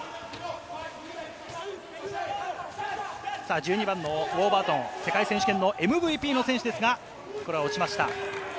１２番のウォーバートン、世界選手権のＭＶＰの選手ですが、これは落ちました。